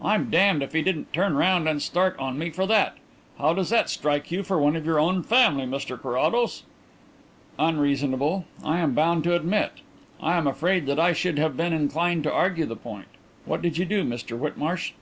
I'm damned if he didn't turn round and start on me for that. How does that strike you for one of your own family, Mr Carrados?" "Unreasonable, I am bound to admit. I am afraid that I should have been inclined to argue the point. What did you do, Mr Whitmarsh?"